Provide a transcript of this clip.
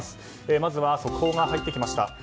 まずは速報が入ってきました。